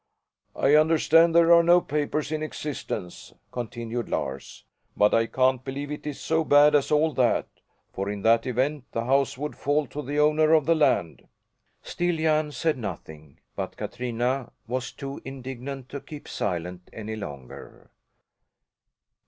"I understand there are no papers in existence," continued Lars, "but I can't believe it is so bad as all that. For in that event the house would fall to the owner of the land." Still Jan said nothing, but Katrina was too indignant to keep silent any longer.